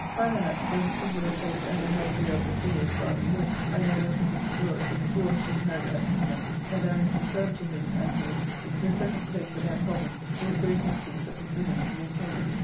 Philanax for his singular faith ever held dear of Basilius while he lived, and no less of Musidorus, who was to inherit that kingdom, and therein confirmed to him and his the second place of that province, with great increase of his living to maintain it.